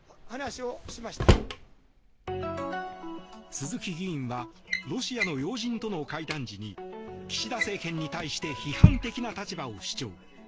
鈴木議員はロシアの要人との会談時に岸田政権に対して批判的な立場を主張。